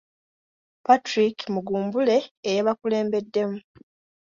Patrick Mugumbule eyabakulembeddemu.